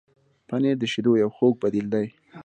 پنېر د شیدو یو خوږ بدیل دی.